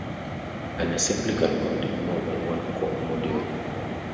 An assembly can contain more than one code module.